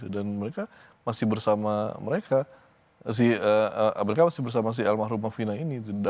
dan mereka masih bersama si elmah rumah vina ini